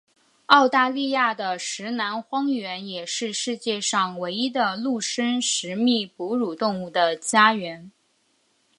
澳大利亚的石楠荒原也是世界上唯一的陆生食蜜哺乳动物的家园。